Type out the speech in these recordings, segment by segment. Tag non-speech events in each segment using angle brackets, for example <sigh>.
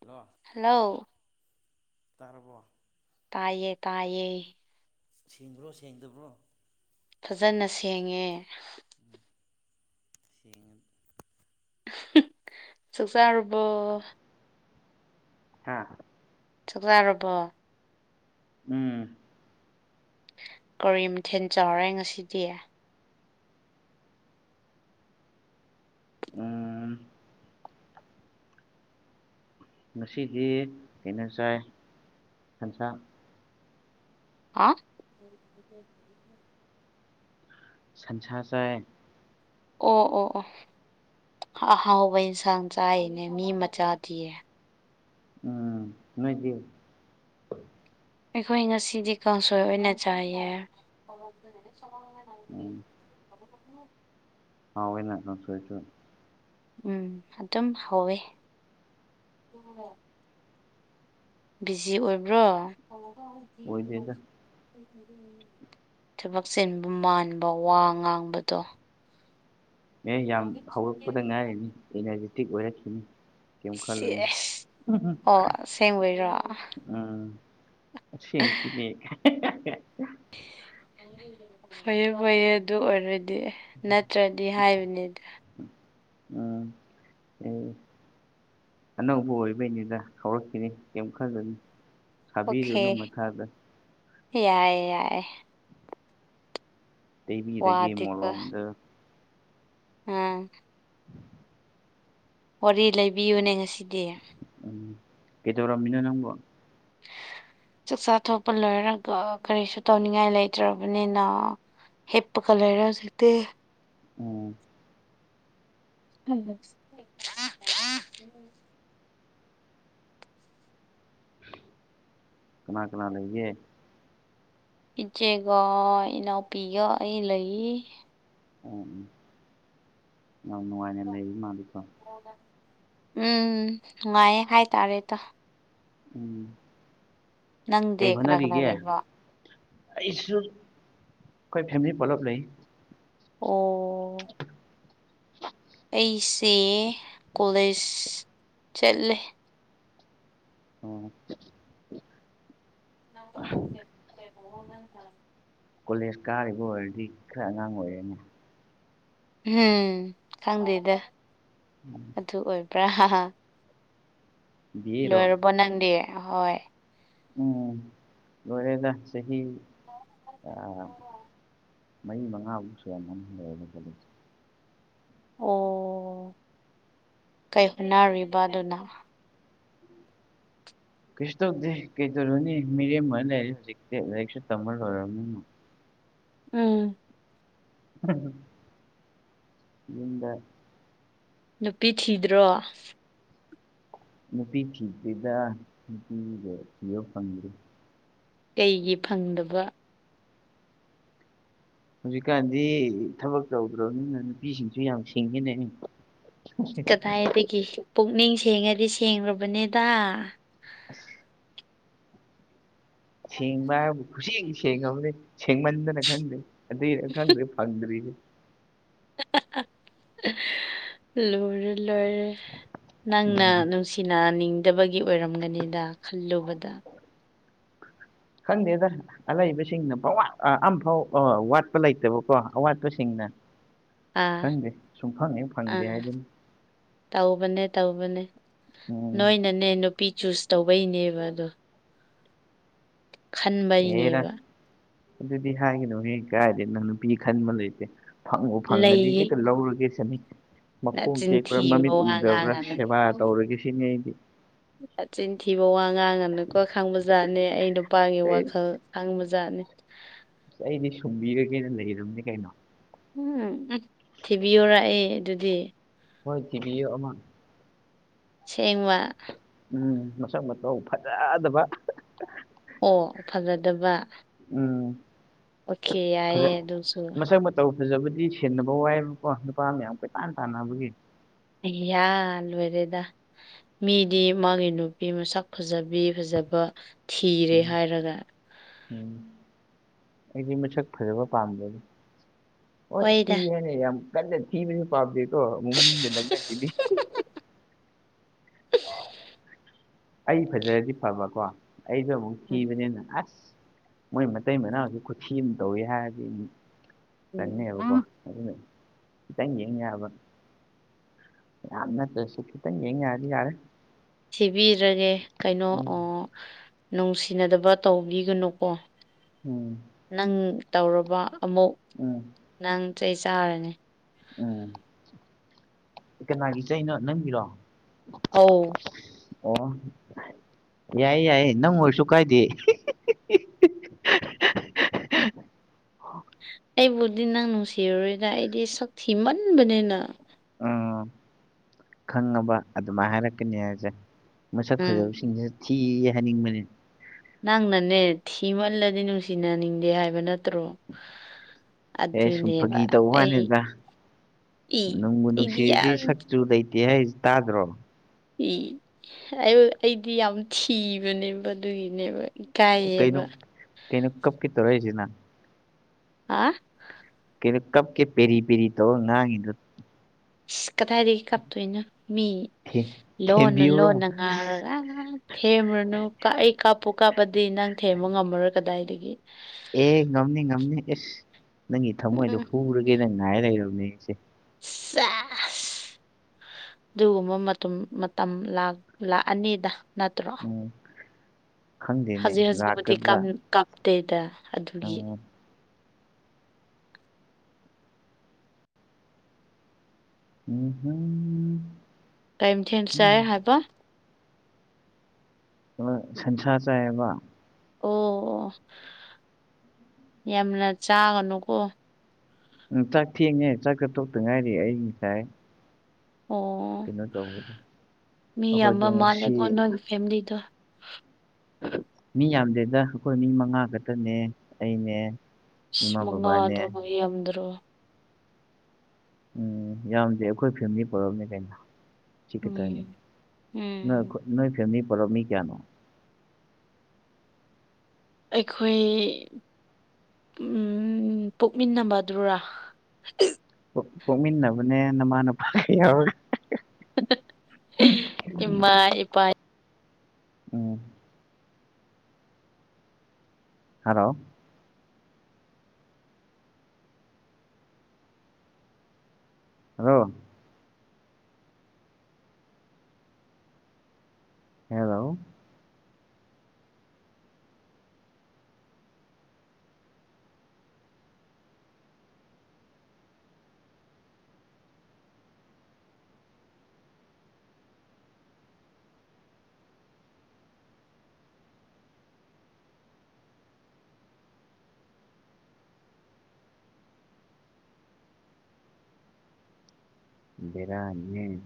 hello hello ꯇꯥꯔꯕꯣ ꯇꯥꯏꯌꯦ ꯇꯥꯏꯌꯦ ꯁꯦꯡꯕ꯭ꯔꯣ ꯁꯦꯡꯗꯕ꯭ꯔꯣ ꯐꯖꯅ ꯁꯦꯡꯉꯦ ꯎꯝ ꯆꯥꯛ ꯆꯥꯔꯕꯣ ꯍꯥꯥ ꯆꯥꯛ ꯆꯥꯔꯕꯣ ꯎꯝ ꯀꯔꯤ ꯃꯊꯦꯟ ꯆꯥꯔꯦ ꯉꯁꯤꯗꯤ ꯎꯝ ꯉꯁꯤꯗꯤ ꯀꯩꯅ ꯆꯥꯏ ꯁꯟꯁꯥ ꯍꯥ <unintelligible> ꯁꯟꯁꯥ ꯆꯥꯏꯌꯦ ꯑꯣ ꯑꯣ ꯑꯣ ꯑꯍꯥꯎꯕ ꯏꯟꯁꯥꯡ ꯆꯥꯏꯌꯦꯅꯦ ꯃꯤ ꯃꯆꯥꯗꯤ ꯎꯝ ꯅꯣꯏꯗꯤ ꯑꯩꯈꯣꯏ ꯉꯁꯤꯗꯤ ꯀꯥꯡꯁꯣꯏ ꯑꯣꯏꯅ ꯆꯥꯏꯌꯦ ꯍꯥꯎꯋꯦꯅꯥ ꯀꯥꯡꯁꯣꯏꯁꯨ ꯎꯝ ꯑꯗꯨꯝ ꯍꯧꯋꯦ <unintelligible> ꯕꯤꯖꯤ ꯑꯣꯏꯕ꯭ꯔꯣ ꯑꯣꯏꯗꯦꯗ ꯊꯕꯛ ꯆꯤꯟꯕ ꯃꯥꯟꯕ ꯋꯥ ꯉꯥꯡꯕꯗꯣ ꯑꯦ ꯌꯥꯝ ꯍꯧꯔꯛꯄꯗ ꯉꯥꯏꯔꯤꯅꯤ ꯏꯅꯔꯖꯤꯇꯤꯛ ꯑꯣꯏꯔꯛꯈꯤꯅꯤ ꯀꯩꯝ ꯈꯜꯂꯨꯅꯨ ꯁꯦꯁ ꯑꯣ ꯑꯁꯦꯡꯕꯩꯔꯣ ꯎꯝ ꯑꯁꯦꯡꯀꯤꯅꯦ ꯐꯩꯌꯦ ꯐꯩꯌꯦ ꯑꯗꯨ ꯑꯣꯏꯔꯗꯤ ꯅꯠꯇ꯭ꯔꯗꯤ ꯍꯥꯏꯕꯅꯤꯗ ꯎꯝ ꯑꯦ ꯑꯅꯧꯕ ꯑꯣꯏꯕꯩꯅꯤꯗ ꯍꯧꯔꯛꯈꯤꯅꯤ ꯀꯩꯝ ꯈꯜꯂꯨꯅꯨ ꯑꯣꯈꯦ ꯁꯥꯕꯤꯔꯨꯅꯨ ꯃꯊꯥꯗ ꯌꯥꯏ ꯌꯥꯏꯌꯦ ꯇꯩꯕꯤꯔꯒꯦ ꯃꯣꯂꯣꯝꯗ ꯑ ꯋꯥꯔꯤ ꯂꯩꯕꯤꯌꯨꯅꯦ ꯉꯁꯤꯗꯤ ꯎꯝ ꯂꯩꯗꯧꯔꯝꯃꯤꯅꯣ ꯅꯪꯕꯣ ꯆꯥꯛꯆꯥꯥ ꯊꯣꯛꯄ ꯂꯣꯏꯔꯒ ꯀꯔꯤꯁꯨ ꯇꯧꯅꯤꯡꯉꯥꯏ ꯂꯩꯇ꯭ꯔꯕꯅꯤꯅ ꯍꯤꯞꯄꯀ ꯂꯩꯔꯦ ꯍꯧꯖꯤꯛꯇꯤ ꯎꯝ <unintelligible> ꯀꯅꯥ ꯀꯅꯥ ꯂꯩꯒꯦ ꯏꯆꯦꯒ ꯏꯅꯥꯎꯄꯤꯒ ꯑꯩ ꯂꯩ ꯑꯣ ꯎꯝ ꯌꯥꯝ ꯅꯨꯡꯉꯥꯏꯅ ꯂꯩꯔꯤ ꯃꯥꯜꯂꯤꯀꯣ ꯎꯝ ꯅꯨꯡꯉꯥꯏꯌꯦ ꯍꯥꯏꯇꯥꯔꯦꯗ ꯎꯝ ꯅꯪꯗꯤ ꯀꯩ ꯀꯅꯥ ꯀꯅꯥ ꯍꯣꯠꯅꯔꯤꯒꯦ ꯂꯩꯕ꯭ꯔꯣ ꯑꯩꯁꯨ ꯑꯩꯈꯣꯏ ꯐꯦꯝꯂꯤ ꯄꯨꯂꯞ ꯂꯩ ꯑꯣ <inaudible> ꯑꯩꯁꯦ ꯀꯣꯂꯦꯖ ꯆꯠꯂꯦ ꯑꯣ <unintelligible> ꯀꯣꯂꯦꯖ ꯀꯥꯔꯤꯕ ꯑꯣꯏꯔꯗꯤ ꯈꯔ ꯑꯉꯥꯡ ꯑꯣꯏꯔꯦꯅꯦ ꯎꯝ ꯈꯪꯗꯦꯗ ꯑꯗꯨ ꯑꯣꯏꯕ꯭ꯔꯥ ꯕꯤ ꯑꯦꯔꯣ ꯂꯣꯏꯔꯕꯣ ꯅꯪꯗꯤ ꯑꯍꯣꯏ ꯎꯝ ꯂꯣꯔꯦꯗ ꯆꯍꯤ <unintelligible> ꯃꯔꯤ ꯃꯉꯥꯃꯨꯛ ꯁꯨꯔꯝꯃꯅꯤ <unintelligible> ꯑꯣ ꯀꯩ ꯍꯣꯠꯅꯔꯤꯕ ꯑꯗꯨꯅ <inaudible> ꯀꯩꯁꯨ ꯇꯧꯗꯦ ꯀꯩꯗꯧꯔꯨꯅꯤ ꯃꯤꯔꯦꯝ ꯑꯣꯏ ꯂꯩꯔꯦ ꯍꯧꯖꯤꯛꯇꯤ ꯂꯥꯏꯔꯤꯛꯁꯨ ꯇꯝꯃ ꯂꯣꯏꯔꯃꯤꯅ ꯎꯝ <unintelligible> ꯌꯨꯝꯗ ꯅꯨꯄꯤ ꯊꯤꯗ꯭ꯔꯣ ꯅꯨꯄꯤ ꯊꯤꯗ꯭ꯔꯤꯗ ꯅꯨꯄꯤꯒ ꯊꯤꯕ ꯐꯪꯗ꯭ꯔꯤ ꯀꯩꯒꯤ ꯐꯪꯗꯕ ꯍꯧꯖꯤꯛꯀꯥꯟꯗꯤ ꯊꯕꯛ ꯇꯧꯗ꯭ꯔꯕꯅꯤꯅ ꯅꯨꯄꯤꯁꯤꯡꯁꯨ ꯌꯥꯝ ꯁꯤꯡꯉꯦꯅꯦ ꯀꯗꯥꯏꯗꯒꯤ ꯄꯨꯛꯅꯤꯡ ꯁꯦꯡꯉꯗꯤ ꯁꯦꯡꯂꯕꯅꯦꯗ ꯑꯁ ꯁꯦꯡꯕ ꯍꯥꯏꯕꯨ ꯈꯨꯁꯦꯡ ꯁꯦꯡꯉꯕꯅꯦ ꯁꯦꯡꯃꯟꯗꯅ ꯈꯪꯗꯦ ꯑꯗꯨꯏꯔ ꯈꯪꯗ꯭ꯔꯦ ꯐꯪꯗ꯭ꯔꯤꯖꯦ ꯂꯨꯔꯦ ꯂꯣꯏꯔꯦ ꯅꯪꯅ ꯎꯝ ꯅꯨꯡꯁꯤ ꯇꯤꯟꯅ ꯅꯤꯡꯗꯕꯒꯤ ꯑꯣꯏꯔꯝꯒꯅꯤꯗ ꯈꯜꯂꯨꯕꯗ ꯈꯪꯗꯦꯗ ꯑꯂꯩꯩꯕꯁꯤꯡꯅ ꯄꯪꯋꯥꯠ ꯑ ꯑꯝꯐꯥꯎ ꯑ ꯋꯥꯠꯄ ꯂꯩꯇꯕꯀꯣ ꯑꯋꯥꯠꯄꯁꯤꯡꯅ ꯑꯥ ꯈꯪꯗꯦ ꯁꯨꯝ ꯐꯪ ꯍꯦꯛ ꯐꯪꯗꯦ ꯑꯥ ꯍꯥꯏꯗꯨꯅꯤ ꯇꯧꯕꯅꯦ ꯇꯧꯕꯅꯦ ꯎꯝ ꯅꯣꯏꯅꯅꯦ ꯅꯨꯄꯤ ꯆꯨꯁ ꯇꯧꯕꯩꯅꯦꯕ ꯑꯗꯣ ꯍꯦꯔ ꯈꯟꯕꯩꯅꯦꯕ ꯑꯗꯨꯗꯤ ꯍꯥꯏꯒꯅꯨ ꯍꯦ ꯀꯥꯏꯗꯩꯅꯣ ꯅꯨꯄꯤ ꯈꯟꯕ ꯂꯩꯇꯦ ꯐꯪꯕꯨ ꯐꯪꯉꯗꯤ ꯂꯩꯌꯦ ꯍꯦꯛꯇ ꯂꯧꯔꯒꯦ ꯁꯤꯅꯤ ꯃꯈꯣꯡ ꯅꯆꯤꯟ ꯇꯦꯛꯄ꯭ꯔꯥ ꯊꯤꯕ ꯃꯃꯤꯠ ꯋꯥ ꯎꯗꯕ꯭ꯔꯥ ꯉꯥꯡꯉꯅꯨ ꯁꯦꯕꯥ ꯇꯧꯔꯒꯦ ꯁꯤꯅꯤ ꯑꯩꯗꯤ ꯅꯆꯤꯟ ꯊꯤꯕ ꯋꯥ ꯉꯥꯡꯉꯅꯨꯀꯣ ꯈꯥꯡꯕ ꯖꯥꯠꯅꯦ ꯑꯩ ꯅꯨꯄꯥꯒꯤ ꯑꯩ ꯋꯥꯈꯜ ꯈꯪꯕꯖꯥꯠꯅꯤ ꯑꯩꯗꯤ ꯁꯨꯝꯕꯤꯔꯒꯦꯅ ꯂꯩꯔꯕꯅꯦ ꯀꯩꯅꯣ ꯎꯝ ꯎ ꯊꯤꯕꯤꯌꯣꯔ ꯑꯩ ꯑꯗꯨꯗꯤ ꯍꯣꯏ ꯊꯤꯕꯤꯌꯣ ꯑꯃ ꯁꯤꯡꯕ ꯎꯝ ꯃꯁꯛ ꯃꯇꯧ ꯐꯖꯥ ꯗꯕ ꯑꯣ ꯐꯖꯗꯕ ꯎꯝ ꯑꯣꯀꯦ ꯌꯥꯏꯌꯦ ꯐꯖꯩ ꯑꯗꯨꯁꯨ ꯃꯁꯛ ꯃ ꯇꯧ ꯐꯖꯕꯗꯤ ꯁꯦꯟꯅꯕ ꯋꯥꯏꯕꯀꯣ ꯅꯨꯄꯥ ꯃꯌꯥꯝ ꯀꯣꯏꯇꯥꯟ ꯇꯥꯟꯅꯕꯒꯤ ꯑꯌꯥ ꯂꯣꯢꯔꯦꯗ ꯃꯤꯗꯤ ꯃꯥꯒꯤ ꯅꯨꯄꯤ ꯃꯁꯛ ꯐꯖꯕꯤ ꯐꯖꯕ ꯊꯤꯔꯦ ꯎꯝ ꯍꯥꯏꯔꯒ ꯎꯝ ꯑꯩꯗꯤ ꯃꯁꯛ ꯐꯖꯕ ꯄꯥꯝꯗꯦ ꯍꯣꯢ ꯍꯣꯏꯗ ꯊꯤꯌꯦ ꯍꯥꯏꯅ ꯌꯥꯝ ꯀꯟꯅ ꯊꯤꯕꯁꯨ ꯄꯥꯝꯗꯦꯀꯣ ꯑꯃꯨꯛ ꯃꯃꯤꯅ ꯂꯛꯅꯈꯤꯅꯤ ꯑꯩ ꯐꯖꯔꯗꯤ ꯐꯕꯀꯣ ꯑꯩꯗꯣ ꯑꯃꯨꯛ ꯎꯝ ꯊꯤꯕꯅꯤꯅ ꯑꯁ ꯃꯣꯏ ꯃꯇꯩ ꯃꯅꯥꯎꯁꯦ ꯈꯨꯠꯊꯤ ꯑꯃ ꯇꯧꯋꯦ ꯍꯥꯏꯔꯗꯤ ꯎ ꯇꯟꯅꯦꯕꯀꯣ ꯎꯝ ꯑꯗꯨꯅ ꯈꯤꯇꯪ ꯌꯦꯡ ꯌꯥꯕ ꯌꯥꯝ ꯅꯥꯠꯇꯔ꯭ꯁꯨ ꯈꯤꯇꯪ ꯌꯦꯡ ꯌꯥꯔꯗꯤ ꯌꯥꯔꯦ ꯊꯕꯤꯔꯅꯤ ꯀꯩꯅꯣ ꯎꯝ ꯅꯨꯡꯁꯤꯅꯗꯕ ꯇꯧꯕꯤꯒꯅꯨꯀꯣ ꯎꯝ ꯅꯪ ꯇꯧꯔꯕ ꯑꯃꯨꯛ ꯎꯝ ꯅꯪ ꯆꯩ ꯆꯥꯔꯅꯤ ꯎꯝ ꯀꯅꯥꯒꯤ ꯆꯩꯅꯣ ꯅꯪꯒꯤꯔꯣ ꯑꯧ ꯑꯣ ꯌꯥꯏꯌꯦ ꯌꯥꯏꯌꯦ ꯅꯪ ꯑꯣꯏꯔꯁꯨ ꯀꯥꯏꯗꯦ ꯑꯩꯕꯨꯗꯤ ꯅꯪ ꯅꯨꯡꯁꯤꯔꯨꯔꯣꯏꯗ ꯑꯩꯗꯤ ꯁꯛ ꯊꯤ ꯃꯟꯕꯅꯤꯅ ꯎꯝ ꯈꯪꯉꯕ ꯑꯗꯨꯃꯥꯏꯅ ꯍꯥꯏꯔꯛꯀꯅꯤ ꯍꯥꯏꯕꯁꯦ ꯃꯁꯛ ꯎꯝ ꯐꯖꯕꯁꯤꯡꯁꯤꯅ ꯊꯤꯌꯦ ꯍꯥꯏꯅꯤꯡꯕꯅꯤ ꯅꯪꯅꯅꯦ ꯊꯤꯃꯜꯂꯗꯤ ꯅꯨꯡꯁꯤꯅꯅꯤꯡꯗꯦ ꯍꯥꯏꯕ ꯅꯠꯇ꯭ꯔꯣ ꯑꯦ ꯁꯨꯝ ꯑꯗꯨꯅꯦꯕ ꯐꯥꯒꯤ ꯇꯧꯕ ꯑꯩ ꯋꯥꯅꯦꯗ ꯏ ꯅꯨꯡꯕꯨ ꯑꯩꯗꯤ ꯅꯨꯡꯁꯤꯔꯗꯤ ꯌꯥꯝ ꯁꯛꯆꯨ ꯂꯩꯇꯦ ꯍꯥꯏꯔꯤꯁꯦ ꯇꯥꯗ꯭ꯔꯣ ꯏ ꯑꯣ ꯑꯩꯗꯤ ꯌꯥꯝ ꯊꯤꯕꯅꯦꯕ ꯑꯗꯨꯒꯤꯅꯦꯕ ꯀꯩꯅꯣ ꯏꯀꯥꯏꯌꯦꯕ ꯀꯩꯅꯣ ꯀꯞꯀꯦ ꯇꯧꯔꯛꯏꯁꯤꯅꯥ ꯍꯥ ꯀꯩꯅꯣ ꯀꯞꯀꯦ ꯄꯦꯔꯤ ꯄꯦꯔꯤ ꯇꯧꯔ ꯉꯥꯡꯉꯤꯗꯨ ꯑꯁ ꯀꯗꯥꯏꯗꯒꯤ ꯀꯞꯇꯣꯏꯅꯣ ꯃꯤ ꯊꯦ ꯂꯣꯟꯅ ꯊꯦꯝꯕꯤꯌꯨꯔꯣ ꯂꯣꯟꯅ ꯉꯥꯔꯒ ꯉ ꯊꯦꯝꯕ꯭ꯔꯨꯅꯨ ꯀꯥꯞꯑ ꯀꯥꯞꯄꯨ ꯀꯥꯞꯄꯗꯤ ꯅꯪ ꯊꯦꯝꯕ ꯉꯝꯃꯔꯣꯏ ꯀꯗꯥꯏꯗꯒꯤ ꯑꯦ ꯉꯝꯅꯤ ꯉꯝꯅꯤ ꯑꯦꯁ ꯅꯪꯒꯤ ꯊꯃꯣꯏꯗꯣ ꯎꯝ ꯍꯨꯔꯒꯦ ꯅ ꯉꯥꯏ ꯂꯩꯔꯕꯅꯦ ꯑꯩꯁꯦ ꯁꯦꯠꯏ ꯑꯗꯨꯒꯨꯝꯕ ꯃꯇꯝ ꯂꯥꯛꯑꯅꯤꯗ ꯅꯠꯇ꯭ꯔꯣ ꯎꯝ ꯈꯪꯗꯦꯅꯦ ꯍꯧꯖꯤꯛ ꯍꯧꯖꯤꯛꯄꯨꯗꯤ ꯂꯥꯛꯀꯗ꯭ꯔꯥ ꯀꯝ ꯀꯞꯇꯦꯗ ꯑꯗꯨꯒꯤ ꯎꯝ ꯎꯍꯨꯝ ꯀꯔꯤ ꯃꯊꯦꯜ ꯆꯥꯏ ꯍꯥꯏꯕ ꯁꯟꯁꯥ ꯆꯥꯏ ꯍꯥꯏꯕꯥ ꯑꯣ ꯑꯣ ꯌꯥꯝꯅ ꯆꯥꯒꯅꯨꯀꯣ ꯎꯝ ꯆꯥꯛ ꯊꯦꯡꯉꯦ ꯆꯥꯛꯀ ꯇꯣꯛꯇ ꯉꯥꯏꯔꯤ ꯑꯩ ꯉꯁꯥꯏ ꯑꯣ ꯀꯩꯅꯣ ꯇꯧꯕꯗꯣ ꯃꯤ ꯌꯥꯝꯕ ꯑꯩꯈꯣꯏꯗꯣ ꯉꯁꯤ ꯃꯥꯜꯂꯦꯀꯣ ꯅꯣꯏ ꯐꯦꯃꯥꯂꯤ ꯗꯣ ꯃꯤ ꯌꯥꯝꯗꯦꯗ ꯑꯩꯈꯣꯏ ꯃꯤ ꯃꯉꯥ ꯈꯛꯇꯅꯦ ꯑꯩꯅꯦ ꯏꯁ ꯏꯃꯥ ꯃꯉꯥ ꯕꯕꯥꯅꯦ ꯑꯗꯨ ꯃꯤ ꯌꯥꯝꯗ꯭ꯔꯣ ꯎꯝ ꯌꯥꯝꯗꯦ ꯑꯩꯈꯣꯏ ꯐꯦꯃꯤꯂꯤ ꯄꯨꯂꯞꯅꯦ ꯀꯩꯅꯣ ꯁꯤ ꯈꯛꯇꯅꯦ ꯎꯝ ꯎꯝ ꯅꯣꯏꯈꯣꯏ ꯅꯣꯏ ꯐꯦꯃꯤꯂꯤ ꯄꯨꯂꯞ ꯃꯤ ꯀꯌꯥꯅꯣ ꯑꯩꯈꯣꯏ ꯎꯝ ꯄꯣꯛꯃꯤꯟꯅꯕꯗꯨꯔꯥ ꯄꯣꯛꯃꯤꯟꯅꯕꯅꯦ ꯅꯃꯥ ꯅꯄꯥ ꯌꯥꯎꯔꯒꯥ ꯏꯃꯥ ꯏꯄꯥ ꯎꯝ ꯍꯜꯂꯣ ꯍꯜꯂꯣ ꯍꯦꯜꯂꯣ ꯕꯦꯔꯅꯤꯅꯦ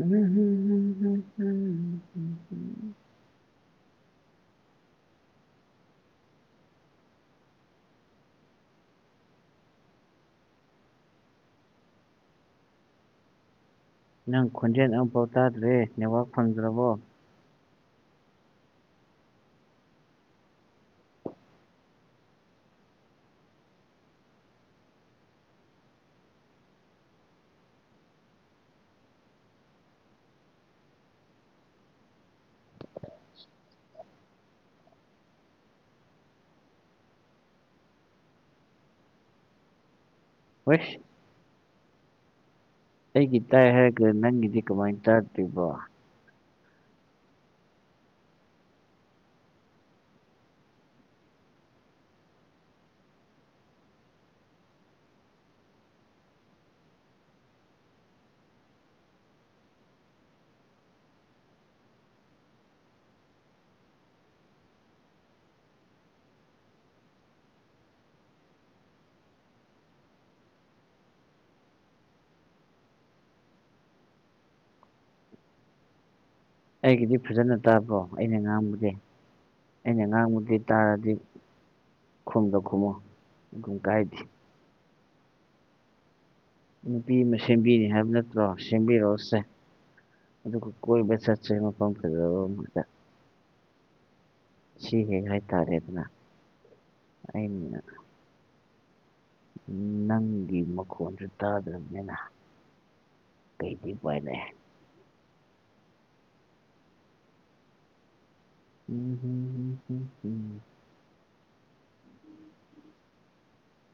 ꯎꯝ ꯅꯪ ꯈꯣꯟꯖꯦꯜ ꯑꯃꯐꯥꯎ ꯇꯥꯗ꯭ꯔꯦ ꯅꯦꯠꯋꯥꯛ ꯐꯪꯗ꯭ꯔꯕꯣ <inaudible> ꯍꯁ ꯑꯩꯒꯤ ꯇꯥꯏ ꯍꯥꯏꯔꯒ ꯅꯪꯒꯤꯗꯤ ꯀꯃꯥꯏꯅ ꯇꯥꯗꯔꯤꯕꯣ ꯑꯩꯒꯤꯗꯤ ꯐꯖꯅ ꯇꯥꯕ꯭ꯔꯣ ꯑꯩꯅ ꯉꯥꯡꯕꯗꯤ ꯑꯩꯅ ꯉꯥꯡꯕꯗꯤ ꯇꯥꯔꯗꯤ ꯈꯨꯝꯗ ꯈꯨꯝꯃꯣ ꯑꯗꯨꯨꯝ ꯀꯥꯏꯗꯦ ꯅꯨꯄꯤ ꯑꯃ ꯁꯦꯝꯕꯤꯅꯤ ꯍꯥꯏꯕ ꯅꯠꯇ꯭ꯔꯣ ꯁꯦꯝꯕꯤꯔꯛꯑꯣꯁꯦ ꯑꯗꯨꯒ ꯀꯣꯏꯕ ꯆꯠ ꯆꯩ ꯃꯐꯝ ꯐꯖꯕ ꯑꯃꯗ ꯁꯤꯍꯦ ꯍꯥꯏꯇꯥꯔꯦ ꯑꯗꯨꯅ ꯑꯩꯅ ꯅꯪꯒꯤ ꯃꯈꯣꯟꯁꯨ ꯇꯥꯗ꯭ꯔꯕꯅꯤꯅ ꯀꯩꯗꯤ ꯎꯄꯥꯏꯂꯩ ꯎꯨꯝ ꯍꯨꯝ ꯍ ꯍꯨꯝ ꯍꯨꯝ